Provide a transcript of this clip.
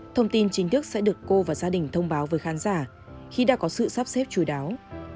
thông tin chính thức sẽ được cô và gia đình thông báo với khán giả khi đã có sự sắp xếp chú đáo